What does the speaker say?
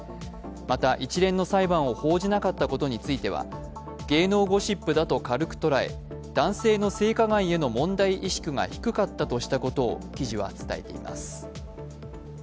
また、一連の裁判を報じなかったことについては芸能ゴシップだと軽く捉え男性の性加害への問題意識が低かったとしたことを記事は伝えています。